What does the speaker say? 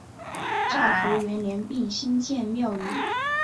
昭和元年并新建庙宇。